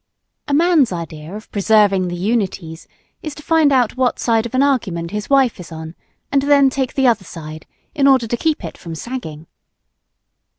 A man's idea of "preserving the unities" is to find out what side of an argument his wife is on, and then take the other side, in order to keep it from sagging.